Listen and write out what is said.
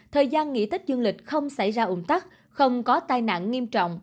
thời gian nghỉ tết dương lịch không xảy ra ủng tắc không có tai nạn nghiêm trọng